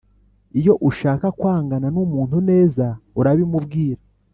Iyo ushaka kwangana n’umuntu neza urabimubwira